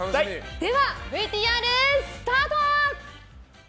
では、ＶＴＲスタート！